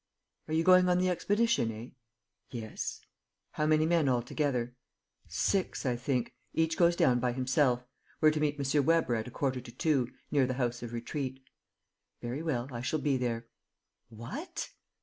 "Are you going on the expedition, eh?" "Yes." "How many men altogether?" "Six, I think. Each goes down by himself. We're to meet M. Weber at a quarter to two, near the House of Retreat." "Very well, I shall be there." "What?"